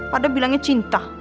padahal bilangnya cinta